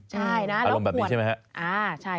ใช่นะอารมณ์แบบนี้ใช่ไหมครับ